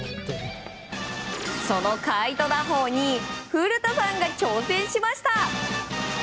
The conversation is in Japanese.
そのカイト打法に古田さんが挑戦しました。